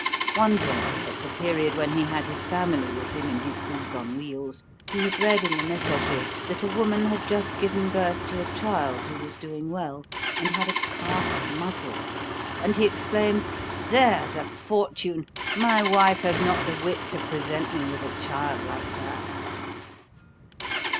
One day, at the period when he had his family with him in his booth on wheels, he had read in the Messager, that a woman had just given birth to a child, who was doing well, and had a calf's muzzle, and he exclaimed: "There's a fortune! my wife has not the wit to present me with a child like that!"